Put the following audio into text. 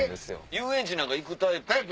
遊園地なんか行くタイプ。